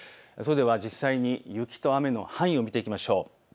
それでは実際に雪と雨の範囲を見ていきましょう。